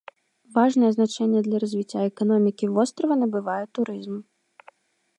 Важнае значэнне для развіцця эканомікі вострава набывае турызм.